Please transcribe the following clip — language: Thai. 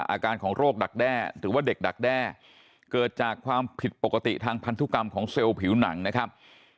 อาการของโรคดักแด้หรือว่าเด็กดักแด้เกิดจากความผิดปกติทางพันธุกรรมของเซลล์ผิวหนังนะครับ